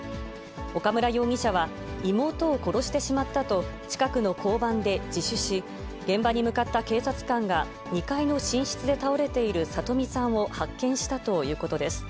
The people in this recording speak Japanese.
岡村容疑者は、妹を殺してしまったと、近くの交番で自首し、現場に向かった警察官が、２階の寝室で倒れている聡美さんを発見したということです。